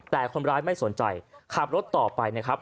แต่คนร้ายไม่สนใจขับรถต่อไปนะครับ